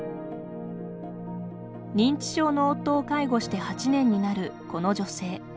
認知症の夫を介護して８年になるこの女性。